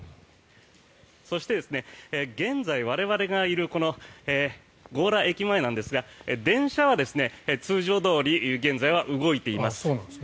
そして現在、我々がいる強羅駅前なんですが電車は、通常どおり現在は動いています。